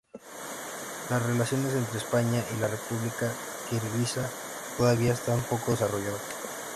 Las relaciones entre España y la República Kirguisa todavía están poco desarrolladas.